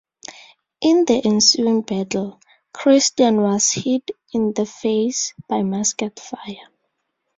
In the ensuing battle, Christian was hit in the face by musket fire.